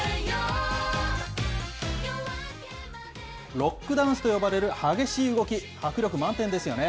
ロックダンスと呼ばれる激しい動き、迫力満点ですよね。